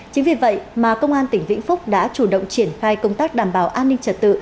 chính vì vậy mà công an tỉnh vĩnh phúc đã chủ động triển khai công tác đảm bảo an ninh trật tự